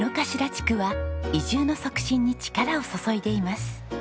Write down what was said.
地区は移住の促進に力を注いでいます。